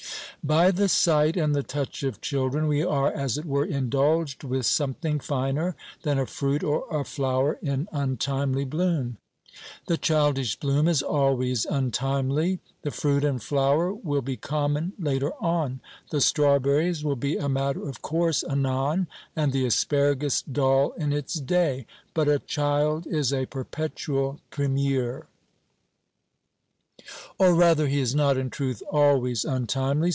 By the sight and the touch of children, we are, as it were, indulged with something finer than a fruit or a flower in untimely bloom. The childish bloom is always untimely. The fruit and flower will be common later on; the strawberries will be a matter of course anon, and the asparagus dull in its day. But a child is a perpetual primeur. Or rather he is not in truth always untimely.